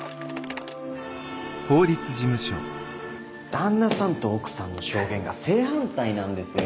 旦那さんと奥さんの証言が正反対なんですよ。